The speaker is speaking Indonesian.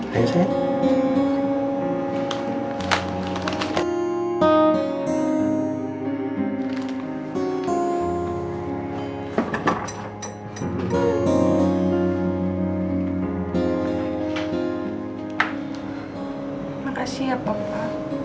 terima kasih ya papa